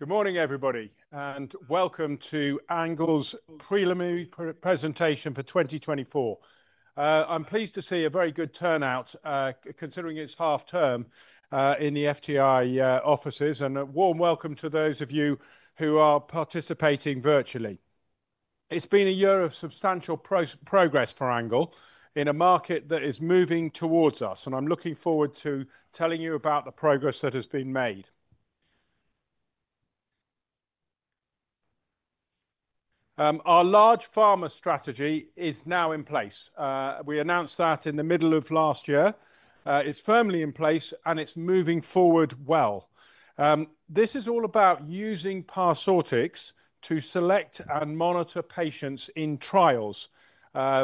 Good morning, everybody, and welcome to ANGLE's preliminary presentation for 2024. I'm pleased to see a very good turnout, considering it's half term in the FTI offices, and a warm welcome to those of you who are participating virtually. It's been a year of substantial progress for ANGLE in a market that is moving towards us, and I'm looking forward to telling you about the progress that has been made. Our large pharma strategy is now in place. We announced that in the middle of last year. It's firmly in place, and it's moving forward well. This is all about using Parsortix to select and monitor patients in trials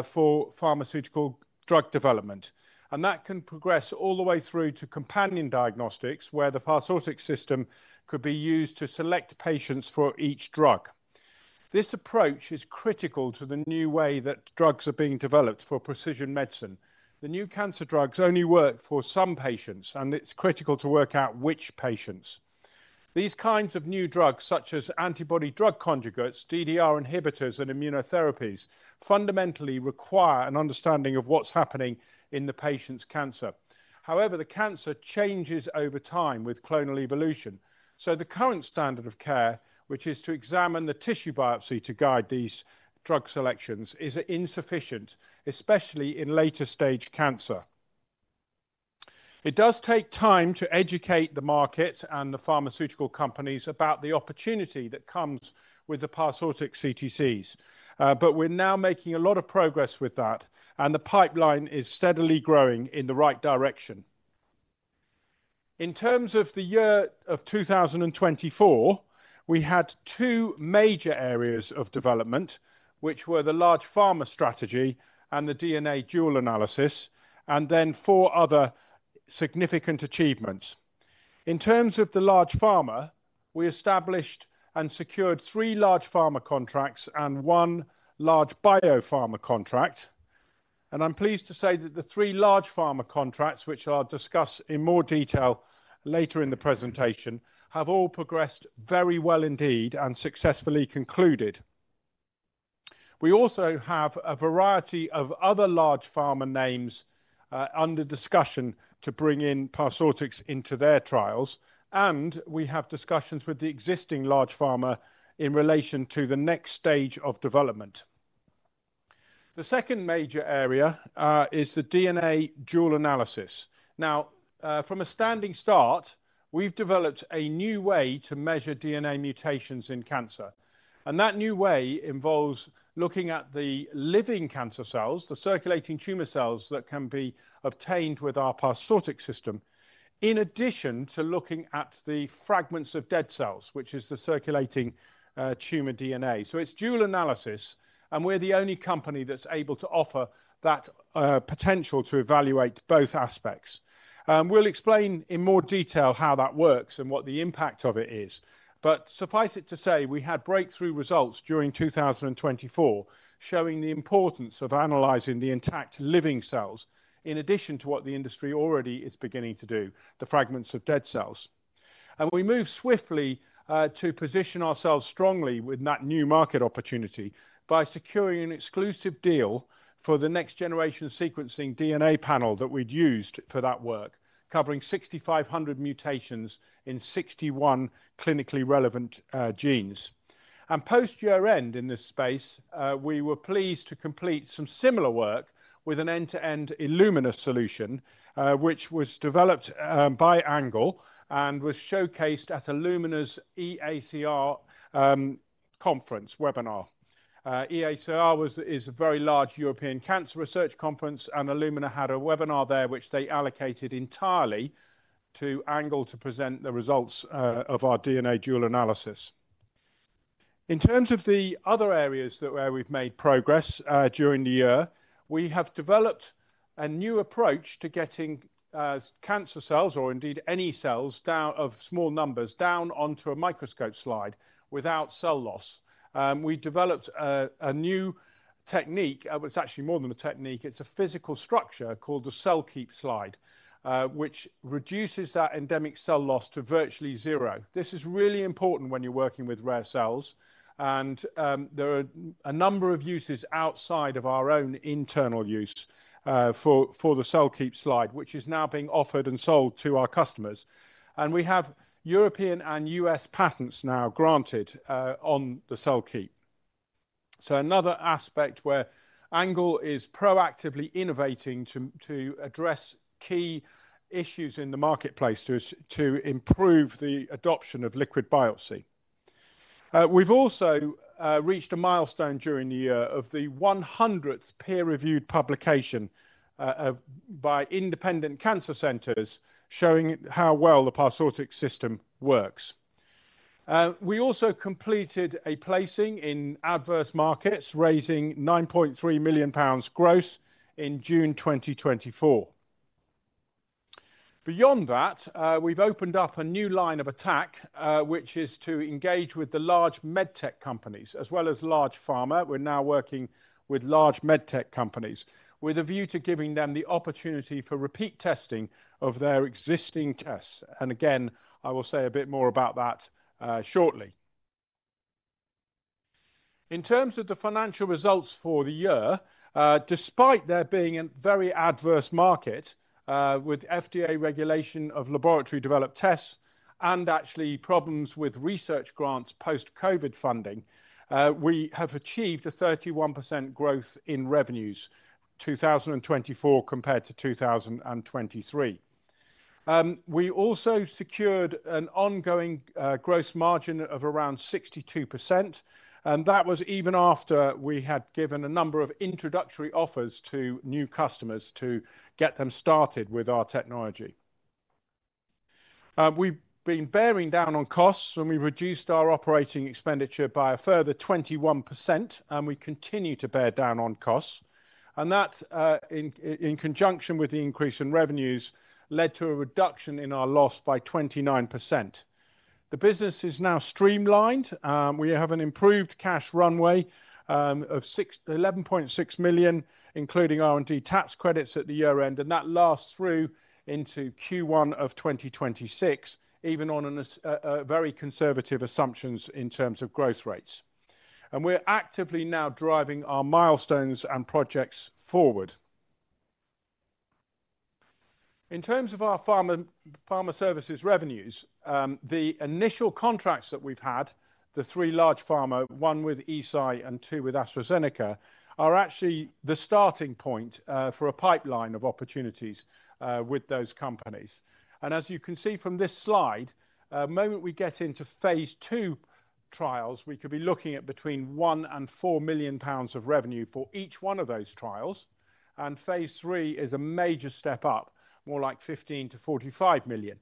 for pharmaceutical drug development, and that can progress all the way through to companion diagnostics, where the Parsortix system could be used to select patients for each drug. This approach is critical to the new way that drugs are being developed for precision medicine. The new cancer drugs only work for some patients, and it's critical to work out which patients. These kinds of new drugs, such as antibody drug conjugates, DDR inhibitors, and immunotherapies, fundamentally require an understanding of what's happening in the patient's cancer. However, the cancer changes over time with clonal evolution, so the current standard of care, which is to examine the tissue biopsy to guide these drug selections, is insufficient, especially in later stage cancer. It does take time to educate the market and the pharmaceutical companies about the opportunity that comes with the Parsortix CTCs, but we're now making a lot of progress with that, and the pipeline is steadily growing in the right direction. In terms of the year of 2024, we had two major areas of development, which were the large pharma strategy and the DNA dual analysis, and then four other significant achievements. In terms of the large pharma, we established and secured three large pharma contracts and one large biopharma contract, and I'm pleased to say that the three large pharma contracts, which I'll discuss in more detail later in the presentation, have all progressed very well indeed and successfully concluded. We also have a variety of other large pharma names under discussion to bring in Parsortix into their trials, and we have discussions with the existing large pharma in relation to the next stage of development. The second major area is the DNA dual analysis. Now, from a standing start, we've developed a new way to measure DNA mutations in cancer, and that new way involves looking at the living cancer cells, the circulating tumor cells that can be obtained with our Parsortix system, in addition to looking at the fragments of dead cells, which is the circulating tumor DNA. It is dual analysis, and we're the only company that's able to offer that potential to evaluate both aspects. We'll explain in more detail how that works and what the impact of it is, but suffice it to say, we had breakthrough results during 2024 showing the importance of analyzing the intact living cells in addition to what the industry already is beginning to do, the fragments of dead cells. We moved swiftly to position ourselves strongly with that new market opportunity by securing an exclusive deal for the next-generation sequencing DNA panel that we'd used for that work, covering 6,500 mutations in 61 clinically relevant genes. Post-year-end in this space, we were pleased to complete some similar work with an end-to-end Illumina solution, which was developed by ANGLE and was showcased at Illumina's EACR conference webinar. EACR is a very large European cancer research conference, and Illumina had a webinar there, which they allocated entirely to ANGLE to present the results of our DNA dual analysis. In terms of the other areas where we've made progress during the year, we have developed a new approach to getting cancer cells, or indeed any cells, of small numbers down onto a microscope slide without cell loss. We developed a new technique, it's actually more than a technique, it's a physical structure called the CellKeep Slide, which reduces that endemic cell loss to virtually zero. This is really important when you're working with rare cells, and there are a number of uses outside of our own internal use for the CellKeep Slide, which is now being offered and sold to our customers. We have European and U.S. patents now granted on the CellKeep. Another aspect where ANGLE is proactively innovating to address key issues in the marketplace to improve the adoption of liquid biopsy. We also reached a milestone during the year of the 100th peer-reviewed publication by independent cancer centers showing how well the Parsortix system works. We also completed a placing in adverse markets, raising 9.3 million pounds gross in June 2024. Beyond that, we've opened up a new line of attack, which is to engage with the large medtech companies as well as large pharma. We're now working with large medtech companies with a view to giving them the opportunity for repeat testing of their existing tests. I will say a bit more about that shortly. In terms of the financial results for the year, despite there being a very adverse market with FDA regulation of laboratory developed tests and actually problems with research grants post-COVID funding, we have achieved a 31% growth in revenues in 2024 compared to 2023. We also secured an ongoing gross margin of around 62%, and that was even after we had given a number of introductory offers to new customers to get them started with our technology. We've been bearing down on costs, and we reduced our operating expenditure by a further 21%, and we continue to bear down on costs. That, in conjunction with the increase in revenues, led to a reduction in our loss by 29%. The business is now streamlined. We have an improved cash runway of 11.6 million, including R&D tax credits at the year-end, and that lasts through into Q1 of 2026, even on very conservative assumptions in terms of growth rates. We're actively now driving our milestones and projects forward. In terms of our pharma services revenues, the initial contracts that we've had, the three large pharma, one with Eisai and two with AstraZeneca, are actually the starting point for a pipeline of opportunities with those companies. As you can see from this slide, the moment we get into phase two trials, we could be looking at between 1 million and 4 million pounds of revenue for each one of those trials, and phase three is a major step up, more like 15 million-45 million.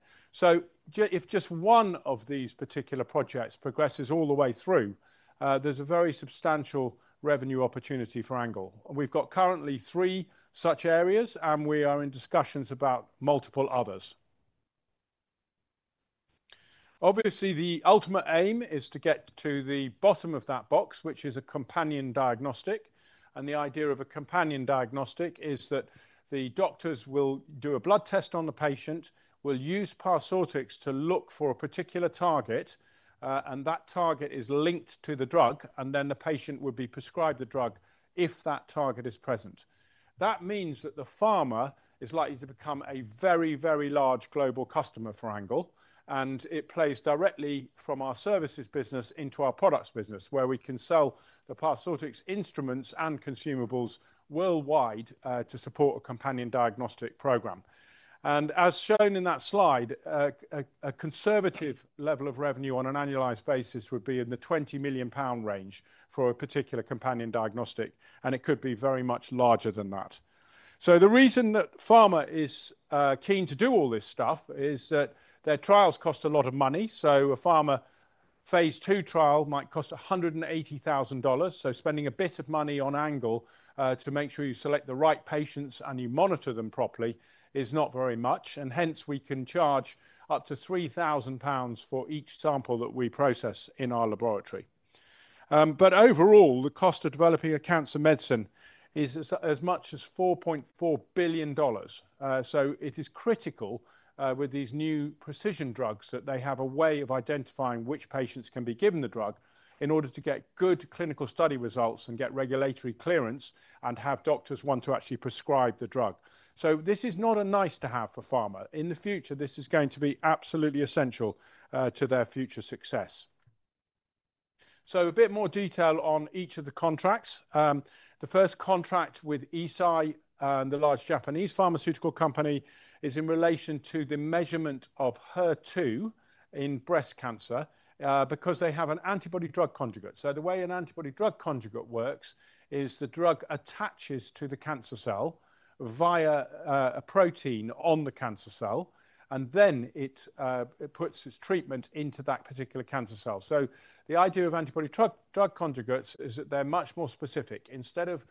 If just one of these particular projects progresses all the way through, there is a very substantial revenue opportunity for ANGLE. We have currently three such areas, and we are in discussions about multiple others. Obviously, the ultimate aim is to get to the bottom of that box, which is a companion diagnostic. The idea of a companion diagnostic is that the doctors will do a blood test on the patient, will use Parsortix to look for a particular target, and that target is linked to the drug, and then the patient would be prescribed the drug if that target is present. That means that the pharma is likely to become a very, very large global customer for ANGLE, and it plays directly from our services business into our products business, where we can sell the Parsortix instruments and consumables worldwide to support a companion diagnostic program. As shown in that slide, a conservative level of revenue on an annualized basis would be in the 20 million pound range for a particular companion diagnostic, and it could be very much larger than that. The reason that pharma is keen to do all this stuff is that their trials cost a lot of money. A pharma phase II trial might cost $180,000. Spending a bit of money on ANGLE to make sure you select the right patients and you monitor them properly is not very much, and hence we can charge up to 3,000 pounds for each sample that we process in our laboratory. Overall, the cost of developing a cancer medicine is as much as $4.4 billion. It is critical with these new precision drugs that they have a way of identifying which patients can be given the drug in order to get good clinical study results and get regulatory clearance and have doctors want to actually prescribe the drug. This is not a nice-to-have for pharma. In the future, this is going to be absolutely essential to their future success. A bit more detail on each of the contracts. The first contract with Eisai, the large Japanese pharmaceutical company, is in relation to the measurement of HER2 in breast cancer because they have an antibody drug conjugate. The way an antibody drug conjugate works is the drug attaches to the cancer cell via a protein on the cancer cell, and then it puts its treatment into that particular cancer cell. The idea of antibody drug conjugates is that they're much more specific. Instead of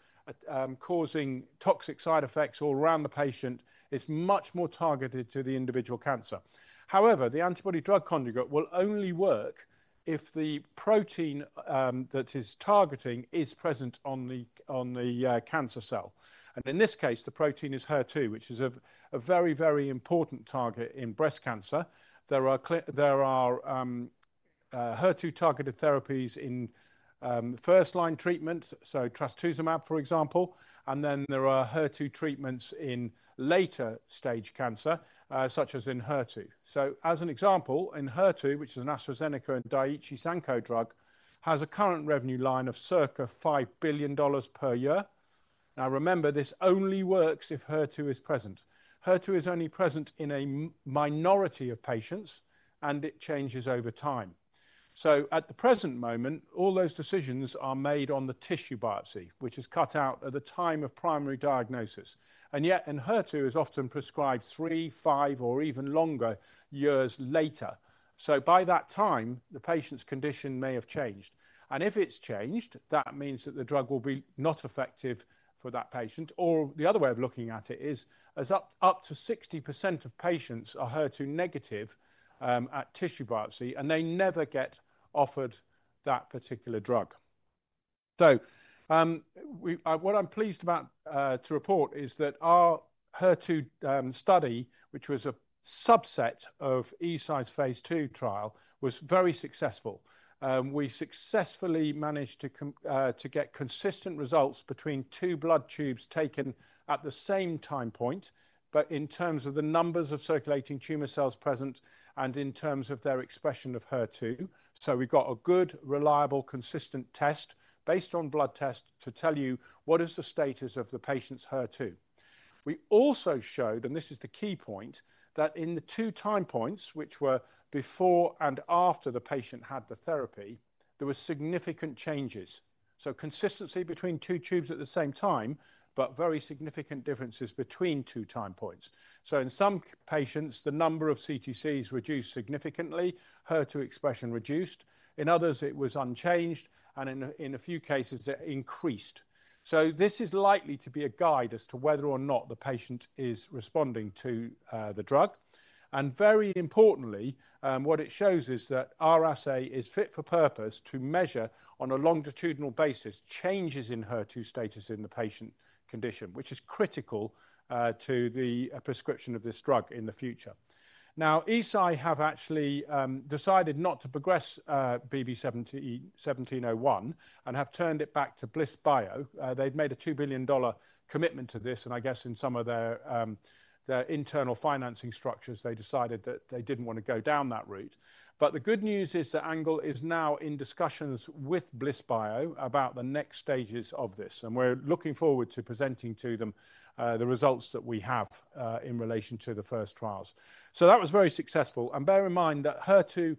causing toxic side effects all around the patient, it's much more targeted to the individual cancer. However, the antibody drug conjugate will only work if the protein that it is targeting is present on the cancer cell. In this case, the protein is HER2, which is a very, very important target in breast cancer. There are HER2 targeted therapies in first-line treatment, so trastuzumab, for example, and then there are HER2 treatments in later stage cancer, such as Enhertu. As an example, Enhertu, which is an AstraZeneca and Daiichi Sankyo drug, has a current revenue line of circa $5 billion per year. Now, remember, this only works if HER2 is present. HER2 is only present in a minority of patients, and it changes over time. At the present moment, all those decisions are made on the tissue biopsy, which is cut out at the time of primary diagnosis. Yet, Enhertu is often prescribed three, five, or even longer years later. By that time, the patient's condition may have changed. If it's changed, that means that the drug will be not effective for that patient. The other way of looking at it is up to 60% of patients are HER2 negative at tissue biopsy, and they never get offered that particular drug. What I'm pleased to report is that our HER2 study, which was a subset of Eisai's phase II trial, was very successful. We successfully managed to get consistent results between two blood tubes taken at the same time point, both in terms of the numbers of circulating tumor cells present and in terms of their expression of HER2. We've got a good, reliable, consistent test based on blood tests to tell you what is the status of the patient's HER2. We also showed, and this is the key point, that in the two time points, which were before and after the patient had the therapy, there were significant changes. Consistency between two tubes at the same time, but very significant differences between two time points. In some patients, the number of CTCs reduced significantly, HER2 expression reduced. In others, it was unchanged, and in a few cases, it increased. This is likely to be a guide as to whether or not the patient is responding to the drug. Very importantly, what it shows is that RSA is fit for purpose to measure on a longitudinal basis changes in HER2 status in the patient condition, which is critical to the prescription of this drug in the future. Now, Eisai have actually decided not to progress BB-1701 and have turned it back to BlissBio. They've made a $2 billion commitment to this, and I guess in some of their internal financing structures, they decided that they did not want to go down that route. The good news is that ANGLE is now in discussions with BlissBio about the next stages of this, and we're looking forward to presenting to them the results that we have in relation to the first trials. That was very successful. Bear in mind that HER2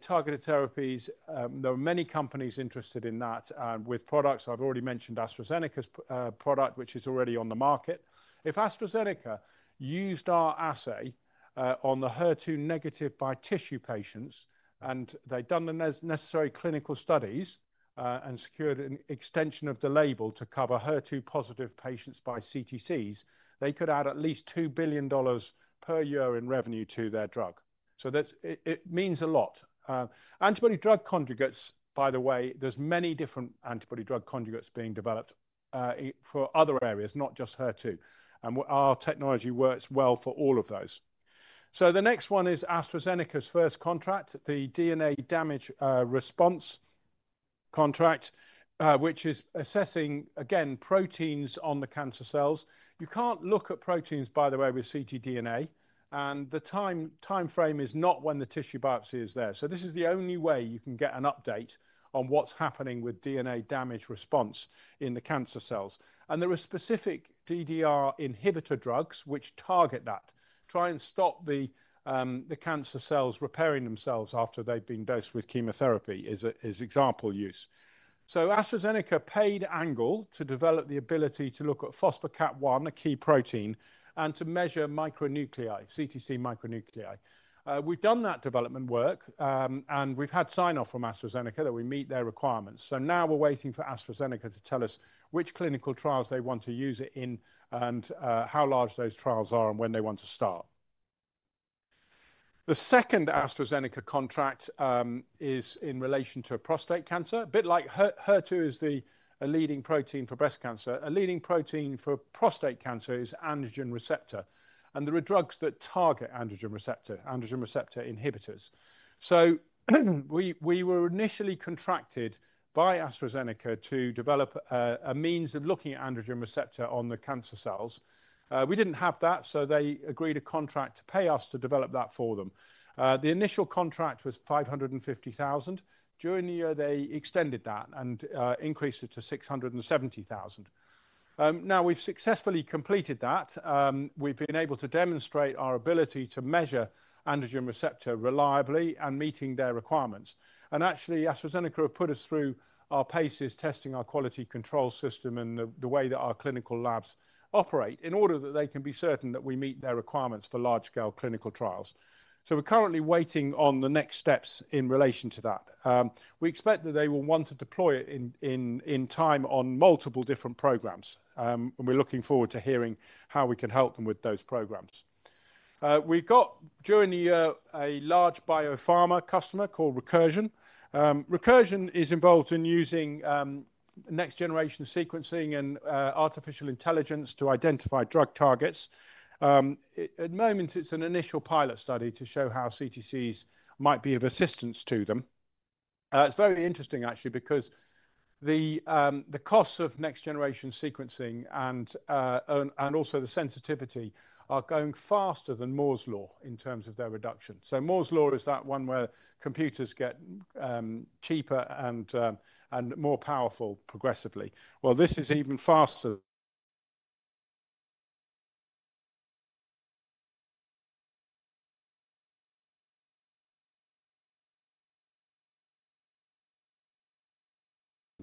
targeted therapies, there are many companies interested in that with products. I've already mentioned AstraZeneca's product, which is already on the market. If AstraZeneca used our assay on the HER2 negative by tissue patients and they had done the necessary clinical studies and secured an extension of the label to cover HER2 positive patients by CTCs, they could add at least $2 billion per year in revenue to their drug. It means a lot. Antibody drug conjugates, by the way, there's many different antibody drug conjugates being developed for other areas, not just HER2. Our technology works well for all of those. The next one is AstraZeneca's first contract, the DNA damage response contract, which is assessing, again, proteins on the cancer cells. You can't look at proteins, by the way, with ctDNA, and the timeframe is not when the tissue biopsy is there. This is the only way you can get an update on what's happening with DNA damage response in the cancer cells. There are specific DDR inhibitor drugs which target that, try and stop the cancer cells repairing themselves after they've been dosed with chemotherapy as example use. AstraZeneca paid ANGLE to develop the ability to look at Phospho-KAP-1, a key protein, and to measure micronuclei, CTC micronuclei. We've done that development work, and we've had sign-off from AstraZeneca that we meet their requirements. Now we're waiting for AstraZeneca to tell us which clinical trials they want to use it in and how large those trials are and when they want to start. The second AstraZeneca contract is in relation to prostate cancer. A bit like HER2 is the leading protein for breast cancer, a leading protein for prostate cancer is androgen receptor. There are drugs that target androgen receptor, androgen receptor inhibitors. We were initially contracted by AstraZeneca to develop a means of looking at androgen receptor on the cancer cells. We didn't have that, so they agreed a contract to pay us to develop that for them. The initial contract was $550,000. During the year, they extended that and increased it to $670,000. Now we've successfully completed that. We've been able to demonstrate our ability to measure androgen receptor reliably and meeting their requirements. Actually, AstraZeneca have put us through our paces, testing our quality control system and the way that our clinical labs operate in order that they can be certain that we meet their requirements for large-scale clinical trials. We are currently waiting on the next steps in relation to that. We expect that they will want to deploy it in time on multiple different programs, and we are looking forward to hearing how we can help them with those programs. We've got during the year a large biopharma customer called Recursion. Recursion is involved in using next-generation sequencing and artificial intelligence to identify drug targets. At the moment, it's an initial pilot study to show how CTCs might be of assistance to them. It's very interesting, actually, because the costs of next-generation sequencing and also the sensitivity are going faster than Moore's law in terms of their reduction. Moore's law is that one where computers get cheaper and more powerful progressively. This is even faster.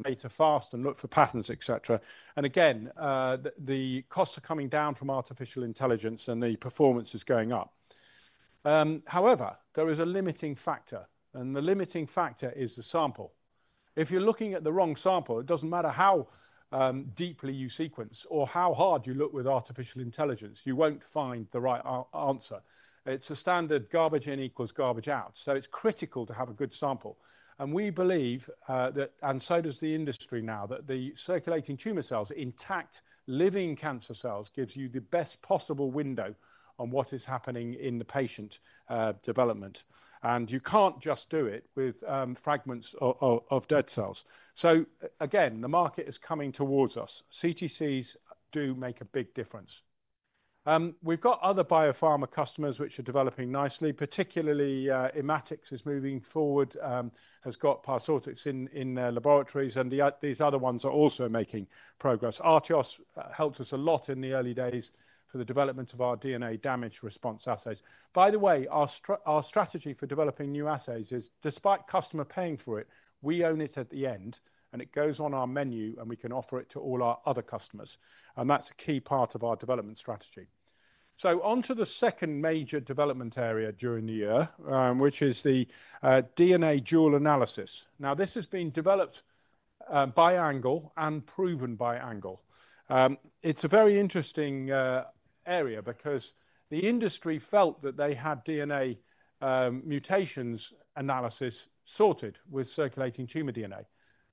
Make it fast and look for patterns, et cetera. The costs are coming down from artificial intelligence and the performance is going up. However, there is a limiting factor, and the limiting factor is the sample. If you're looking at the wrong sample, it doesn't matter how deeply you sequence or how hard you look with artificial intelligence, you won't find the right answer. It's a standard garbage in equals garbage out. It's critical to have a good sample. We believe that, and so does the industry now, that the circulating tumor cells, intact, living cancer cells gives you the best possible window on what is happening in the patient development. You can't just do it with fragments of dead cells. Again, the market is coming towards us. CTCs do make a big difference. We've got other biopharma customers which are developing nicely. Particularly, Immatics is moving forward, has got Parsortix systems in their laboratories, and these other ones are also making progress. Artios helped us a lot in the early days for the development of our DNA damage response assays. By the way, our strategy for developing new assays is, despite customer paying for it, we own it at the end, and it goes on our menu, and we can offer it to all our other customers. That's a key part of our development strategy. Onto the second major development area during the year, which is the DNA dual analysis. Now, this has been developed by ANGLE and proven by ANGLE. It's a very interesting area because the industry felt that they had DNA mutations analysis sorted with circulating tumor DNA.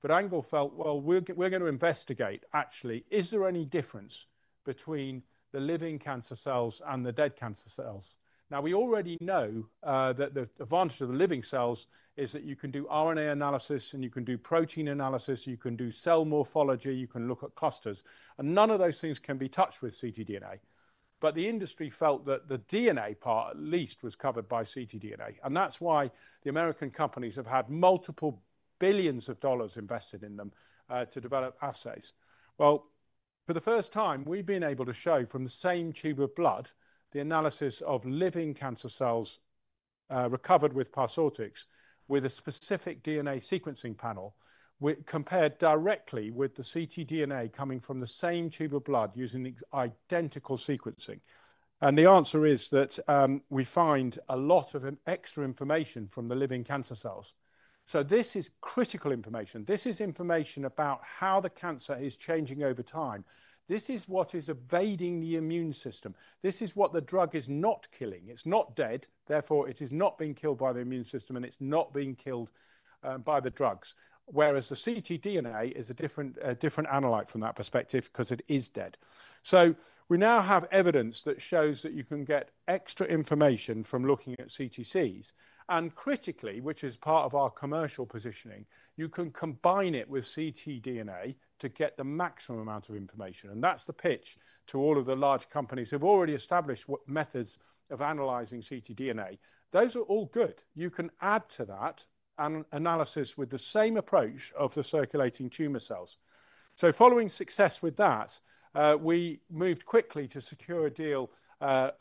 Angle felt, well, we're going to investigate, actually, is there any difference between the living cancer cells and the dead cancer cells? We already know that the advantage of the living cells is that you can do RNA analysis, and you can do protein analysis, you can do cell morphology, you can look at clusters. None of those things can be touched with ctDNA. The industry felt that the DNA part at least was covered by ctDNA. That is why the American companies have had multiple billions of dollars invested in them to develop assays. For the first time, we've been able to show from the same tube of blood the analysis of living cancer cells recovered with Parsortix with a specific DNA sequencing panel compared directly with the ctDNA coming from the same tube of blood using identical sequencing. The answer is that we find a lot of extra information from the living cancer cells. This is critical information. This is information about how the cancer is changing over time. This is what is evading the immune system. This is what the drug is not killing. It's not dead. Therefore, it is not being killed by the immune system, and it's not being killed by the drugs. Whereas the ctDNA is a different analyte from that perspective because it is dead. We now have evidence that shows that you can get extra information from looking at CTCs. Critically, which is part of our commercial positioning, you can combine it with ctDNA to get the maximum amount of information. That is the pitch to all of the large companies who have already established methods of analyzing ctDNA. Those are all good. You can add to that analysis with the same approach of the circulating tumor cells. Following success with that, we moved quickly to secure a deal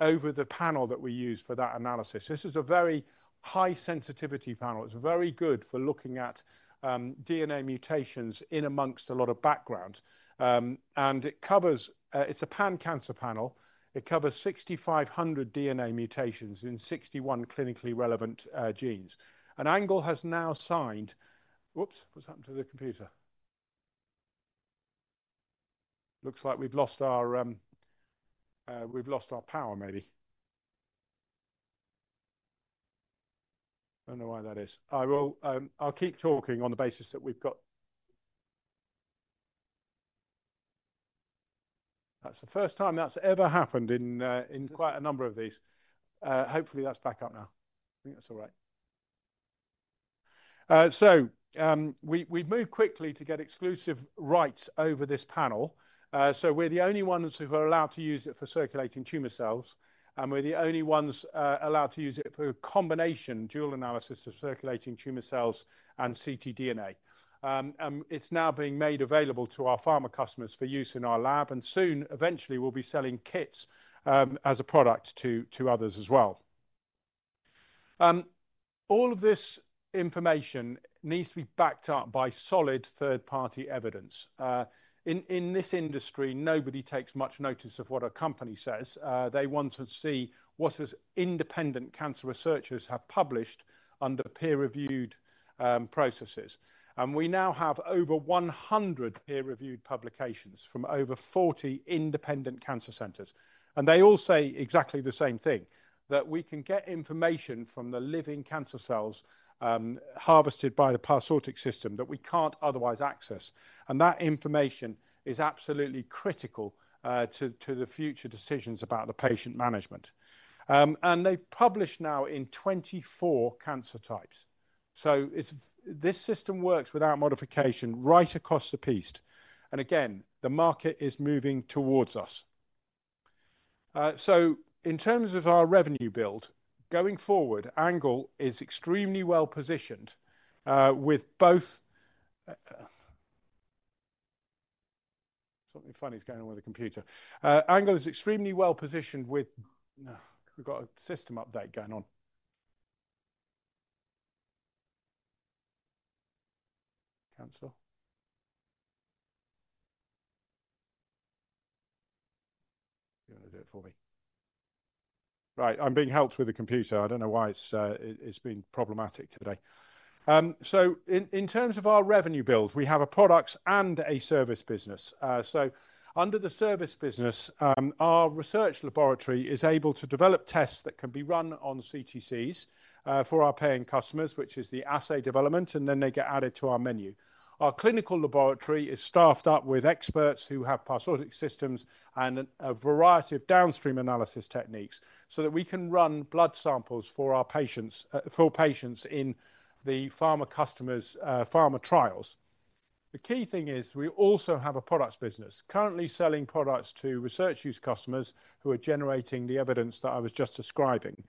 over the panel that we use for that analysis. This is a very high sensitivity panel. It is very good for looking at DNA mutations in amongst a lot of background. It is a pan-cancer panel. It covers 6,500 DNA mutations in 61 clinically relevant genes. ANGLE has now signed. Whoops, what has happened to the computer? Looks like we have lost our power, maybe. I do not know why that is. I'll keep talking on the basis that we've got. That's the first time that's ever happened in quite a number of these. Hopefully, that's back up now. I think that's all right. We moved quickly to get exclusive rights over this panel. We're the only ones who are allowed to use it for circulating tumor cells. We're the only ones allowed to use it for a combination dual analysis of circulating tumor cells and ctDNA. It's now being made available to our pharma customers for use in our lab. Eventually, we'll be selling kits as a product to others as well. All of this information needs to be backed up by solid third-party evidence. In this industry, nobody takes much notice of what a company says. They want to see what independent cancer researchers have published under peer-reviewed processes. We now have over 100 peer-reviewed publications from over 40 independent cancer centers. They all say exactly the same thing, that we can get information from the living cancer cells harvested by the Parsortix system that we cannot otherwise access. That information is absolutely critical to the future decisions about patient management. They have published now in 24 cancer types. This system works without modification right across the piece. The market is moving towards us. In terms of our revenue build, going forward, ANGLE is extremely well positioned with both. Something funny is going on with the computer. ANGLE is extremely well positioned with—we have got a system update going on. Cancel. You are going to do it for me. Right, I am being helped with the computer. I do not know why it has been problematic today. In terms of our revenue build, we have a products and a service business. Under the service business, our research laboratory is able to develop tests that can be run on CTCs for our paying customers, which is the assay development, and then they get added to our menu. Our clinical laboratory is staffed up with experts who have Parsortix systems and a variety of downstream analysis techniques so that we can run blood samples for our patients in the pharma customers' pharma trials. The key thing is we also have a products business currently selling products to research use customers who are generating the evidence that I was just describing.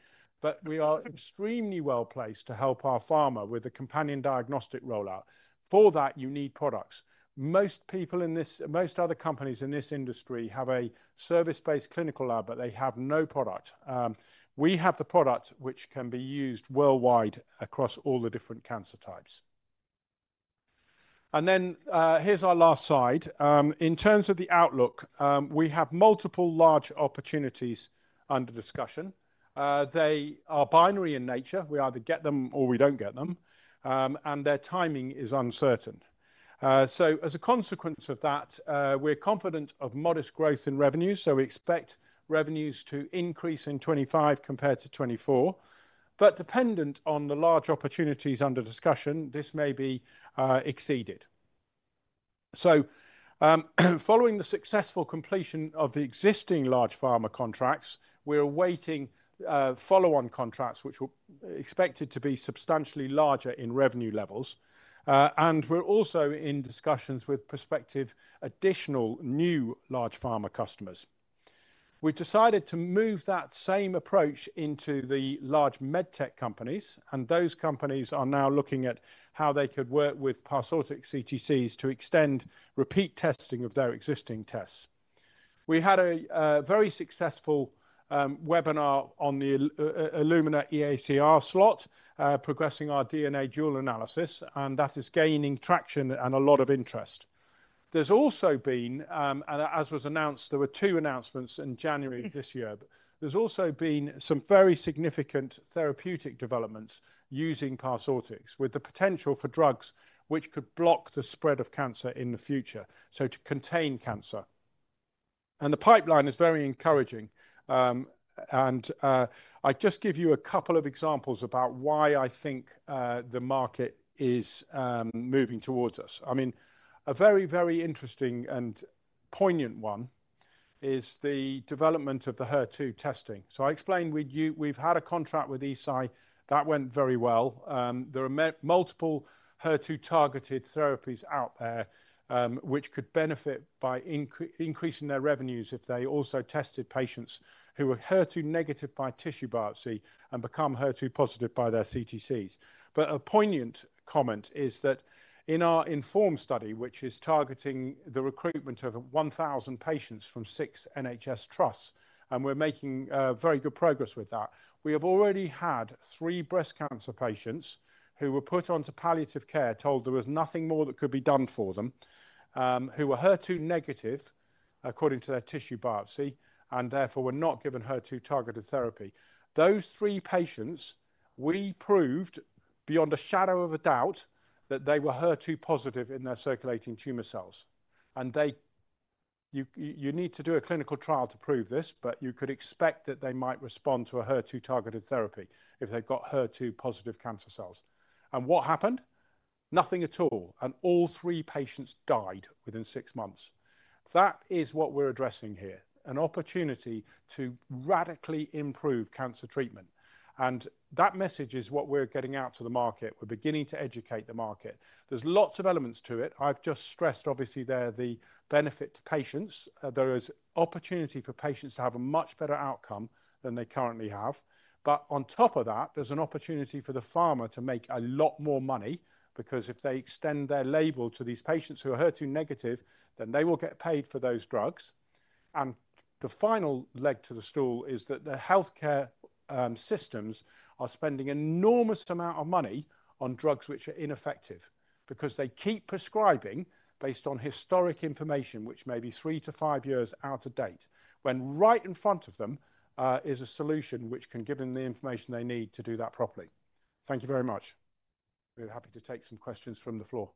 We are extremely well placed to help our pharma with the companion diagnostic rollout. For that, you need products. Most people in this, most other companies in this industry have a service-based clinical lab, but they have no product. We have the product which can be used worldwide across all the different cancer types. Here is our last slide. In terms of the outlook, we have multiple large opportunities under discussion. They are binary in nature. We either get them or we do not get them. Their timing is uncertain. As a consequence of that, we are confident of modest growth in revenues. We expect revenues to increase in 2025 compared to 2024. Dependent on the large opportunities under discussion, this may be exceeded. Following the successful completion of the existing large pharma contracts, we are awaiting follow-on contracts which are expected to be substantially larger in revenue levels. We are also in discussions with prospective additional new large pharma customers. We've decided to move that same approach into the large medtech companies. Those companies are now looking at how they could work with Parsortix CTCs to extend repeat testing of their existing tests. We had a very successful webinar on the Illumina EACR slot progressing our DNA Dual Analysis, and that is gaining traction and a lot of interest. There have also been, and as was announced, there were two announcements in January of this year. There have also been some very significant therapeutic developments using Parsortix with the potential for drugs which could block the spread of cancer in the future, to contain cancer. The pipeline is very encouraging. I just give you a couple of examples about why I think the market is moving towards us. I mean, a very, very interesting and poignant one is the development of the HER2 testing. I explained we've had a contract with Eisai. That went very well. There are multiple HER2 targeted therapies out there which could benefit by increasing their revenues if they also tested patients who were HER2 negative by tissue biopsy and become HER2 positive by their CTCs. A poignant comment is that in our INFORMED study, which is targeting the recruitment of 1,000 patients from six NHS trusts, and we're making very good progress with that, we have already had three breast cancer patients who were put onto palliative care, told there was nothing more that could be done for them, who were HER2 negative according to their tissue biopsy, and therefore were not given HER2 targeted therapy. Those three patients, we proved beyond a shadow of a doubt that they were HER2 positive in their circulating tumor cells. You need to do a clinical trial to prove this, but you could expect that they might respond to a HER2 targeted therapy if they've got HER2 positive cancer cells. What happened? Nothing at all. All three patients died within six months. That is what we're addressing here, an opportunity to radically improve cancer treatment. That message is what we're getting out to the market. We're beginning to educate the market. There are lots of elements to it. I've just stressed, obviously, the benefit to patients. There is opportunity for patients to have a much better outcome than they currently have. On top of that, there's an opportunity for the pharma to make a lot more money because if they extend their label to these patients who are HER2 negative, then they will get paid for those drugs. The final leg to the stool is that the healthcare systems are spending an enormous amount of money on drugs which are ineffective because they keep prescribing based on historic information, which may be three to five years out of date, when right in front of them is a solution which can give them the information they need to do that properly. Thank you very much. We're happy to take some questions from the floor.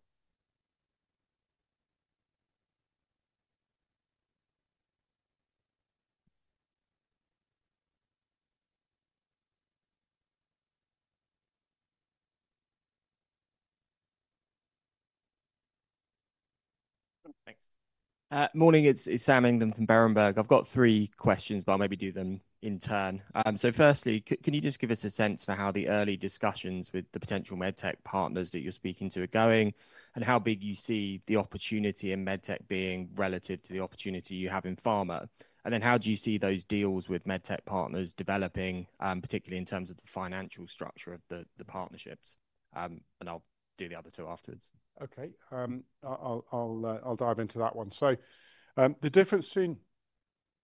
Morning, it's Sam England from Berenberg. I've got three questions, but I'll maybe do them in turn. Firstly, can you just give us a sense for how the early discussions with the potential med tech partners that you're speaking to are going, and how big you see the opportunity in med tech being relative to the opportunity you have in pharma? How do you see those deals with med tech partners developing, particularly in terms of the financial structure of the partnerships? I'll do the other two afterwards. Okay. I'll dive into that one. The difference between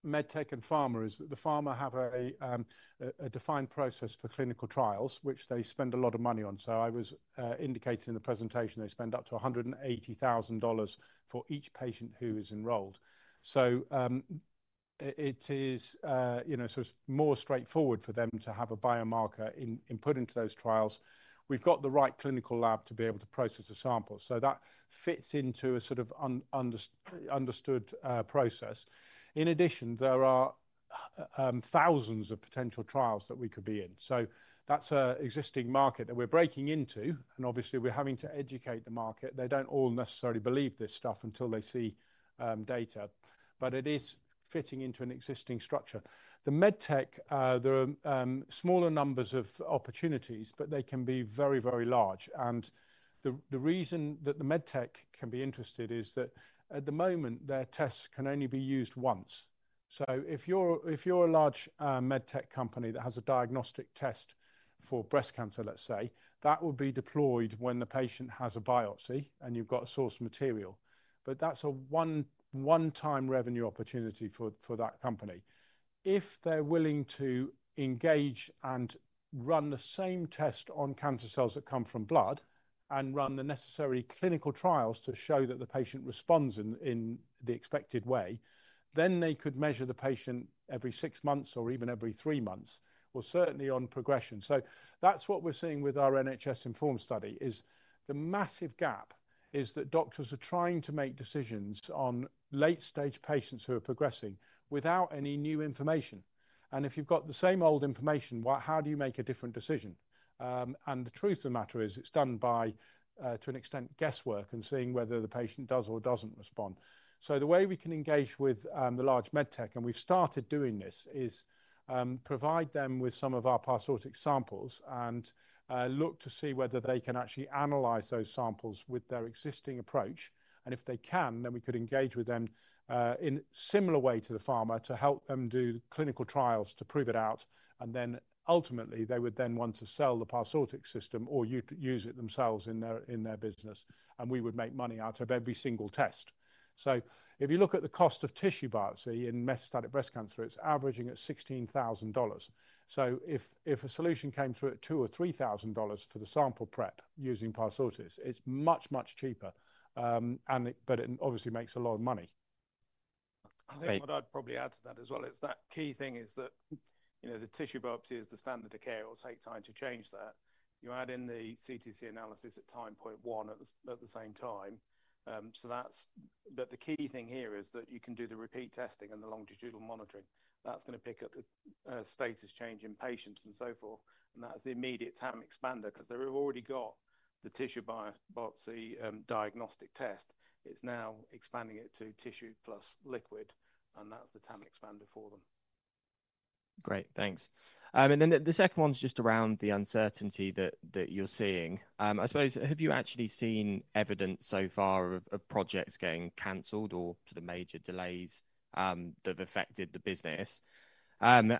med tech and pharma is that pharma have a defined process for clinical trials, which they spend a lot of money on. I was indicating in the presentation they spend up to $180,000 for each patient who is enrolled. It is sort of more straightforward for them to have a biomarker put into those trials. We've got the right clinical lab to be able to process the sample. That fits into a sort of understood process. In addition, there are thousands of potential trials that we could be in. That's an existing market that we're breaking into. Obviously, we're having to educate the market. They do not all necessarily believe this stuff until they see data. It is fitting into an existing structure. The med tech, there are smaller numbers of opportunities, but they can be very, very large. The reason that the med tech can be interested is that at the moment, their tests can only be used once. If you are a large med tech company that has a diagnostic test for breast cancer, let us say, that will be deployed when the patient has a biopsy and you have got source material. That is a one-time revenue opportunity for that company. If they are willing to engage and run the same test on cancer cells that come from blood and run the necessary clinical trials to show that the patient responds in the expected way, then they could measure the patient every six months or even every three months, or certainly on progression. That's what we're seeing with our NHS informed study is the massive gap is that doctors are trying to make decisions on late-stage patients who are progressing without any new information. If you've got the same old information, how do you make a different decision? The truth of the matter is it's done by, to an extent, guesswork and seeing whether the patient does or doesn't respond. The way we can engage with the large medtech, and we've started doing this, is provide them with some of our Parsortix samples and look to see whether they can actually analyze those samples with their existing approach. If they can, then we could engage with them in a similar way to the pharma to help them do clinical trials to prove it out. Then ultimately, they would want to sell the Parsortix system or use it themselves in their business. We would make money out of every single test. If you look at the cost of tissue biopsy in metastatic breast cancer, it's averaging at $16,000. If a solution came through at $2,000 or $3,000 for the sample prep using Parsortix, it's much, much cheaper. It obviously makes a lot of money. I think what I'd probably add to that as well is that the key thing is that the tissue biopsy is the standard of care. It'll take time to change that. You add in the CTC analysis at time point one at the same time. The key thing here is that you can do the repeat testing and the longitudinal monitoring. That's going to pick up the status change in patients and so forth. That is the immediate time expander because they have already got the tissue biopsy diagnostic test. It is now expanding it to tissue plus liquid. That is the time expander for them. Great. Thanks. The second one is just around the uncertainty that you are seeing. I suppose, have you actually seen evidence so far of projects getting cancelled or sort of major delays that have affected the business? Do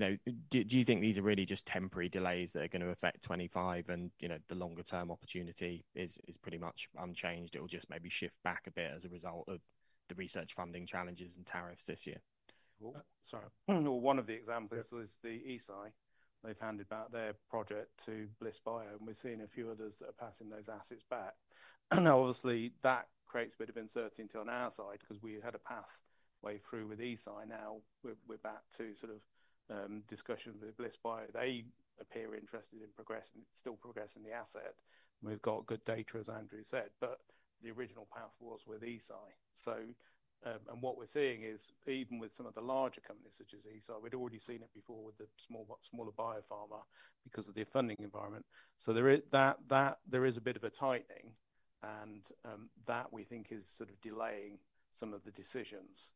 you think these are really just temporary delays that are going to affect 2025? The longer-term opportunity is pretty much unchanged. It will just maybe shift back a bit as a result of the research funding challenges and tariffs this year. One of the examples was the Eisai. They have handed back their project to BlissBio, and we have seen a few others that are passing those assets back. Now, obviously, that creates a bit of uncertainty on our side because we had a pathway through with Eisai. Now we're back to sort of discussion with BlissBio. They appear interested in progressing, still progressing the asset. We've got good data, as Andrew said, but the original path was with Eisai. What we're seeing is even with some of the larger companies such as Eisai, we'd already seen it before with the smaller biopharma because of the funding environment. There is a bit of a tightening, and that we think is sort of delaying some of the decisions.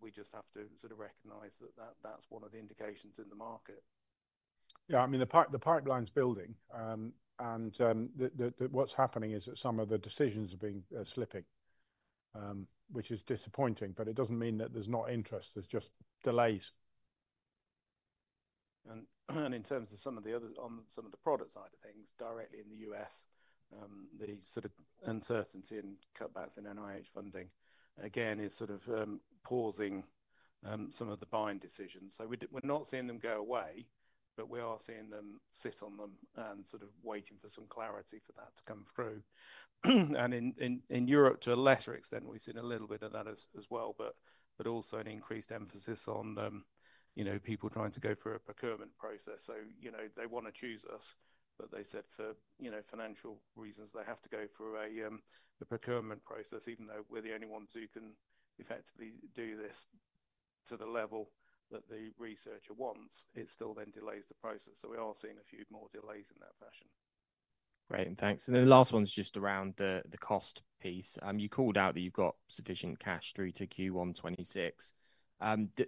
We just have to sort of recognize that that's one of the indications in the market. Yeah, I mean, the pipeline's building. What's happening is that some of the decisions are being slipping, which is disappointing, but it doesn't mean that there's not interest. There's just delays. In terms of some of the other on some of the product side of things directly in the U.S., the sort of uncertainty and cutbacks in NIH funding, again, is sort of pausing some of the buying decisions. We are not seeing them go away, but we are seeing them sit on them and sort of waiting for some clarity for that to come through. In Europe, to a lesser extent, we have seen a little bit of that as well, but also an increased emphasis on people trying to go through a procurement process. They want to choose us, but they said for financial reasons, they have to go through a procurement process, even though we are the only ones who can effectively do this to the level that the researcher wants. It still then delays the process. We are seeing a few more delays in that fashion. Great. Thanks. The last one's just around the cost piece. You called out that you've got sufficient cash through to Q1 2026.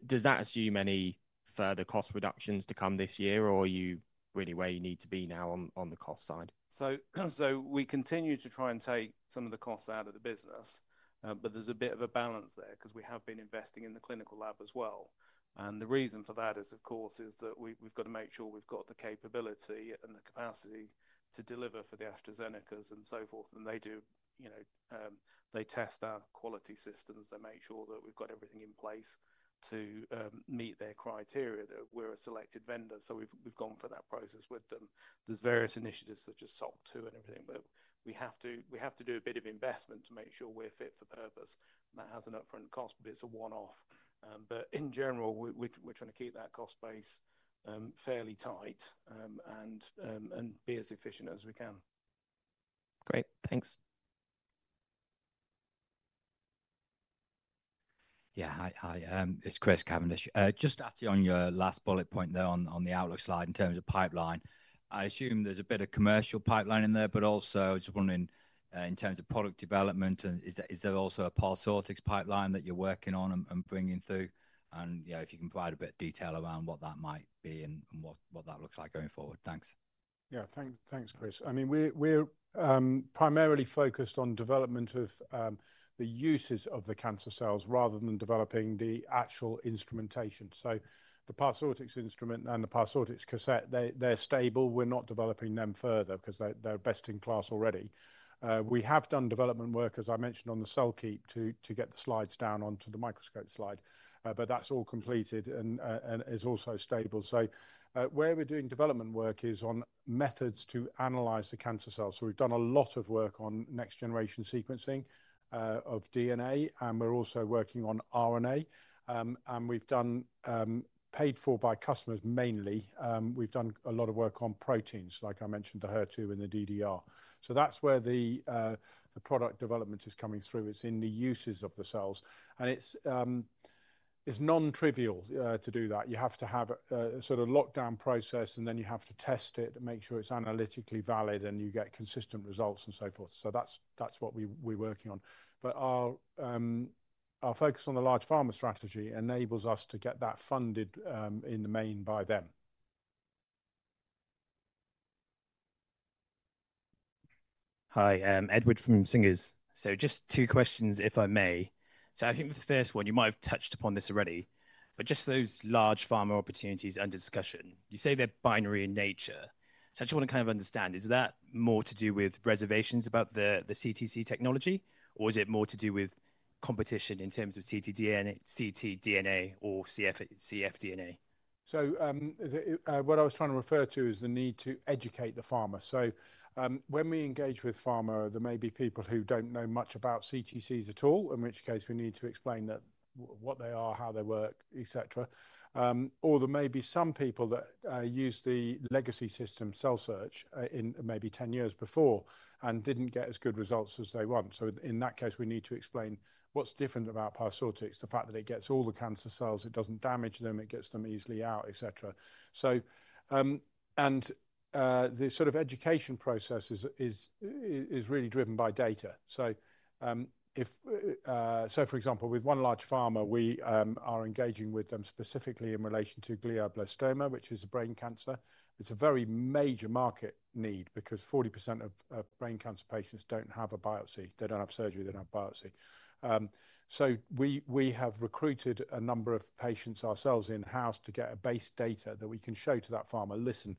Does that assume any further cost reductions to come this year, or are you really where you need to be now on the cost side? We continue to try and take some of the costs out of the business, but there's a bit of a balance there because we have been investing in the clinical lab as well. The reason for that is, of course, that we've got to make sure we've got the capability and the capacity to deliver for the AstraZenecas and so forth. They do test our quality systems. They make sure that we've got everything in place to meet their criteria that we're a selected vendor. We have gone for that process with them. There are various initiatives such as SOC 2 and everything, but we have to do a bit of investment to make sure we are fit for purpose. That has an upfront cost, but it is a one-off. In general, we are trying to keep that cost base fairly tight and be as efficient as we can. Great. Thanks. Yeah, hi. It is Chris Cavendish. Just adding on your last bullet point there on the outlook slide in terms of pipeline. I assume there is a bit of commercial pipeline in there, but also I was just wondering in terms of product development, is there also a Parsortix pipeline that you are working on and bringing through? If you can provide a bit of detail around what that might be and what that looks like going forward. Thanks. Yeah, thanks, Chris. I mean, we're primarily focused on development of the uses of the cancer cells rather than developing the actual instrumentation. The Parsortix system and the Parsortix cassette, they're stable. We're not developing them further because they're best in class already. We have done development work, as I mentioned, on the CellKeep Slide to get the slides down onto the microscope slide, but that's all completed and is also stable. Where we're doing development work is on methods to analyze the cancer cells. We've done a lot of work on next-generation sequencing of DNA, and we're also working on RNA. We've done paid for by customers mainly. We've done a lot of work on proteins, like I mentioned, the HER2 and the DDR. That's where the product development is coming through. It's in the uses of the cells. It's non-trivial to do that. You have to have a sort of lockdown process, and then you have to test it and make sure it's analytically valid, and you get consistent results and so forth. That's what we're working on. Our focus on the large pharma strategy enables us to get that funded in the main by them. Hi, Edward from Singers. Just two questions, if I may. I think with the first one, you might have touched upon this already, but just those large pharma opportunities under discussion, you say they're binary in nature. I just want to kind of understand, is that more to do with reservations about the CTC technology, or is it more to do with competition in terms of ctDNA or cfDNA? What I was trying to refer to is the need to educate the pharma. When we engage with pharma, there may be people who do not know much about CTCs at all, in which case we need to explain what they are, how they work, etc. There may be some people that use the legacy system, CellSearch, maybe 10 years before and did not get as good results as they want. In that case, we need to explain what is different about Parsortix, the fact that it gets all the cancer cells, it does not damage them, it gets them easily out, etc. The sort of education process is really driven by data. For example, with one large pharma, we are engaging with them specifically in relation to glioblastoma, which is a brain cancer. It is a very major market need because 40% of brain cancer patients do not have a biopsy. They do not have surgery. They do not have biopsy. We have recruited a number of patients ourselves in-house to get a base data that we can show to that pharma, "Listen,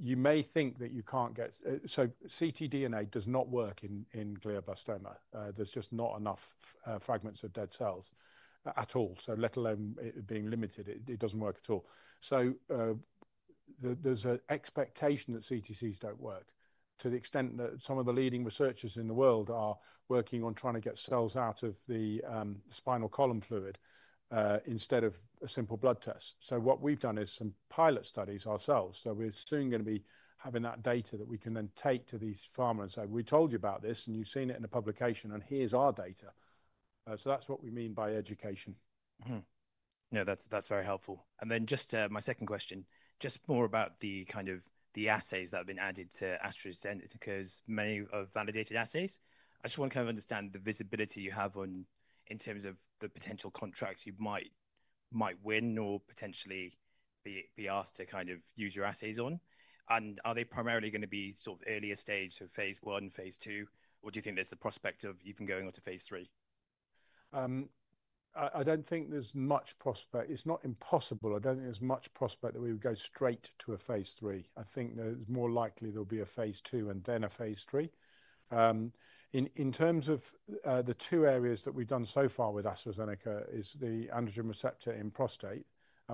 you may think that you can't get so ctDNA does not work in glioblastoma. There's just not enough fragments of dead cells at all. Let alone being limited, it doesn't work at all." There's an expectation that CTCs don't work to the extent that some of the leading researchers in the world are working on trying to get cells out of the spinal column fluid instead of a simple blood test. What we've done is some pilot studies ourselves. We're soon going to be having that data that we can then take to these pharma and say, "We told you about this, and you've seen it in a publication, and here's our data." That's what we mean by education. Yeah, that's very helpful. Just my second question, just more about the kind of the assays that have been added to AstraZeneca's many validated assays. I just want to kind of understand the visibility you have in terms of the potential contracts you might win or potentially be asked to kind of use your assays on. Are they primarily going to be sort of earlier stage, so phase I, phase II, or do you think there's the prospect of even going on to phase III? I don't think there's much prospect. It's not impossible. I don't think there's much prospect that we would go straight to a phase III. I think it's more likely there'll be a phase II and then a phase III. In terms of the two areas that we've done so far with AstraZeneca is the androgen receptor in prostate.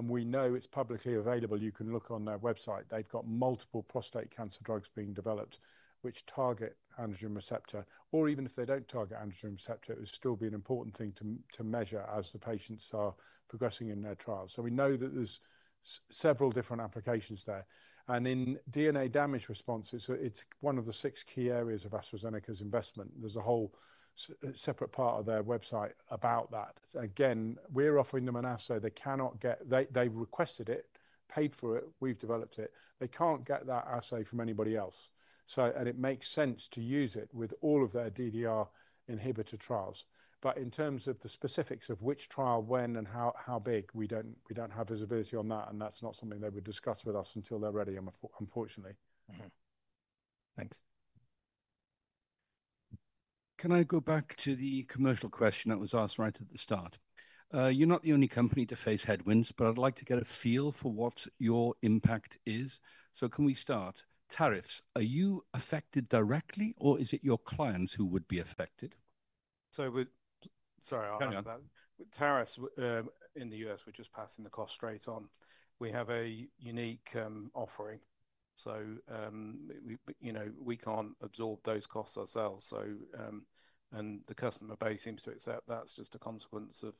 We know it's publicly available. You can look on their website. They've got multiple prostate cancer drugs being developed which target androgen receptor. Even if they do not target androgen receptor, it would still be an important thing to measure as the patients are progressing in their trials. We know that there are several different applications there. In DNA damage response, it is one of the six key areas of AstraZeneca's investment. There is a whole separate part of their website about that. Again, we are offering them an assay. They cannot get it, they requested it, paid for it. We have developed it. They cannot get that assay from anybody else. It makes sense to use it with all of their DDR inhibitor trials. In terms of the specifics of which trial, when, and how big, we do not have visibility on that. That's not something they would discuss with us until they're ready, unfortunately. Thanks. Can I go back to the commercial question that was asked right at the start? You're not the only company to face headwinds, but I'd like to get a feel for what your impact is. Can we start? Tariffs. Are you affected directly, or is it your clients who would be affected? Sorry, I'll add that. Tariffs in the U.S., we're just passing the cost straight on. We have a unique offering. We can't absorb those costs ourselves. The customer base seems to accept that's just a consequence of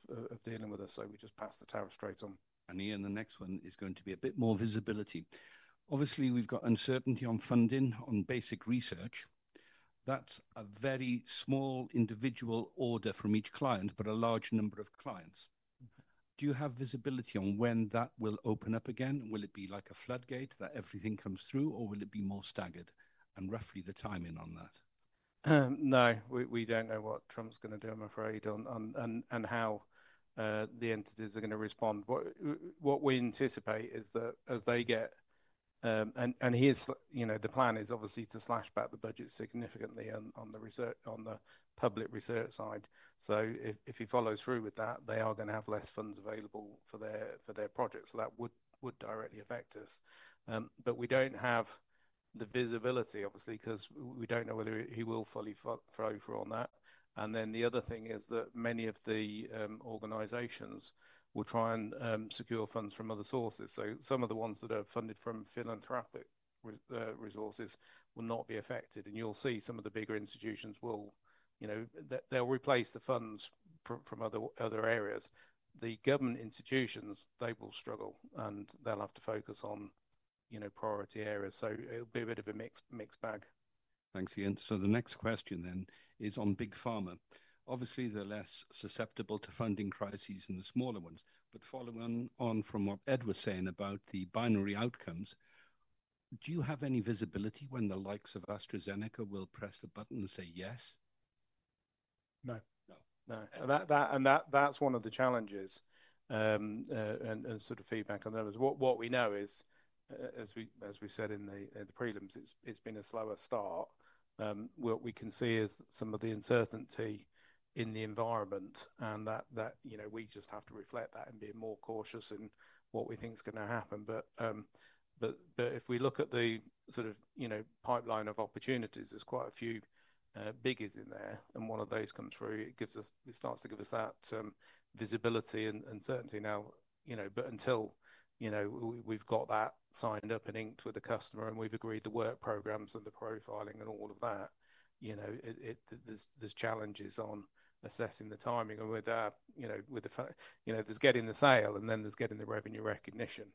dealing with us. We just pass the tariff straight on. The next one is going to be a bit more visibility. Obviously, we've got uncertainty on funding on basic research. That's a very small individual order from each client, but a large number of clients. Do you have visibility on when that will open up again? Will it be like a floodgate that everything comes through, or will it be more staggered? And roughly the timing on that? No, we don't know what Trump's going to do, I'm afraid, and how the entities are going to respond. What we anticipate is that as they get and the plan is obviously to slash back the budget significantly on the public research side. If he follows through with that, they are going to have less funds available for their projects. That would directly affect us. We don't have the visibility, obviously, because we don't know whether he will fully follow through on that. The other thing is that many of the organizations will try and secure funds from other sources. Some of the ones that are funded from philanthropic resources will not be affected. You will see some of the bigger institutions, they will replace the funds from other areas. The government institutions, they will struggle, and they will have to focus on priority areas. It will be a bit of a mixed bag. Thanks, Ian. The next question then is on big pharma. Obviously, they are less susceptible to funding crises than the smaller ones. Following on from what Ed was saying about the binary outcomes, do you have any visibility when the likes of AstraZeneca will press the button and say yes? No. No. That is one of the challenges and sort of feedback on those. What we know is, as we said in the prelims, it has been a slower start. What we can see is some of the uncertainty in the environment and that we just have to reflect that and be more cautious in what we think is going to happen. If we look at the sort of pipeline of opportunities, there are quite a few biggies in there. If one of those comes through, it starts to give us that visibility and certainty. Until we have that signed up and inked with the customer and we have agreed the work programs and the profiling and all of that, there are challenges on assessing the timing. There is getting the sale, and then there is getting the revenue recognition.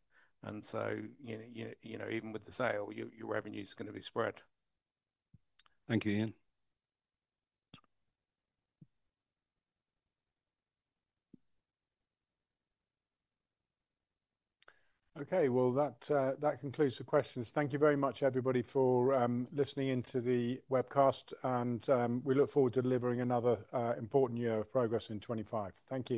Even with the sale, your revenue is going to be spread. Thank you, Ian. Okay, that concludes the questions. Thank you very much, everybody, for listening into the webcast. We look forward to delivering another important year of progress in 2025. Thank you.